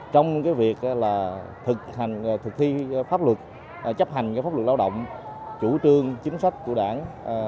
trong việc thực thi pháp luật chấp hành pháp luật lao động chủ trương chính sách của đảng